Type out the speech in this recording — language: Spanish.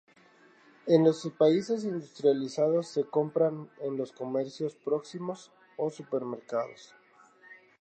En los países industrializados se compran en los comercios próximos o en supermercados.